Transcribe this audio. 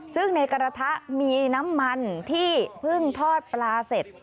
ซึ่งในกระทะมีน้ำมันที่เพิ่งทอดปลาเสร็จ